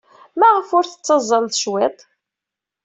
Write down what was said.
Maɣef ur tetteẓẓleḍ cwiṭ?